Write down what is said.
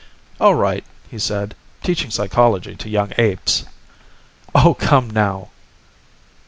"All right," he said. "Teaching psychology to young apes " "Oh, come now!"